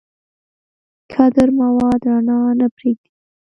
کدر مواد رڼا نه پرېږدي.